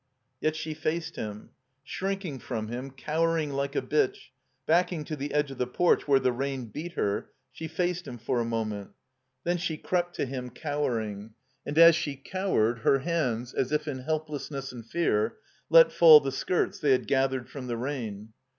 Yet she faced him. Shrinking from him, cowerfng like a bitch, baddng to the edg^ of the porch where the rain beat her, she faced him for a moment. Then she crept to him cowering; and as she cow ered, her hands, as if in helplessness and fear, let fall the skirts they had gathered from the rain.